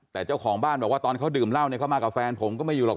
แต่เจ้าของบ้านบอกว่าตอนเขาดื่มเหล้าเนี่ยเขามากับแฟนผมก็ไม่อยู่หรอก